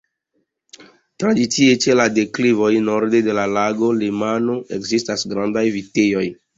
Tradicie ĉe la deklivoj norde de la Lago Lemano ekzistas grandaj vitejoj.